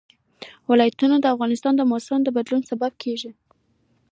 ولایتونه د افغانستان د موسم د بدلون سبب کېږي.